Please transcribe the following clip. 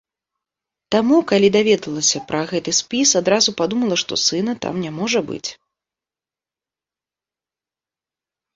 Таму, калі даведалася пра гэты спіс, адразу падумала, што сына там не можа быць.